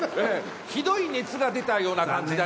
ひどい熱が出たような感じだね。